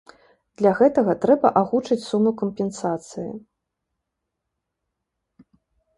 Для гэтага трэба агучыць суму кампенсацыі.